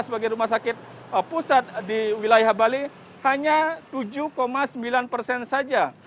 sebagai rumah sakit pusat di wilayah bali hanya tujuh sembilan persen saja